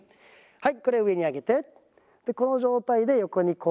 はい。